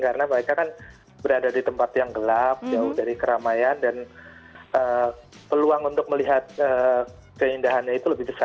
karena mereka kan berada di tempat yang gelap jauh dari keramaian dan peluang untuk melihat keindahannya itu lebih besar